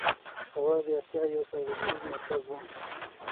پېښور د آسيا يو سوداګريز مرکز و.